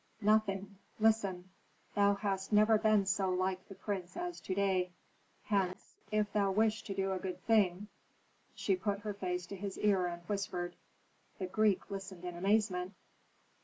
"Nothing; listen. Thou hast never been so like the prince as to day. Hence, if thou wish to do a good thing " She put her face to his ear and whispered. The Greek listened in amazement.